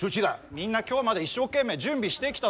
みんな今日まで一生懸命準備してきたの。